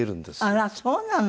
あらそうなの？